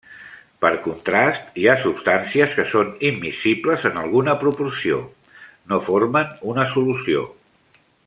Per contrast, hi ha substàncies que són immiscibles en alguna proporció, no formen una solució.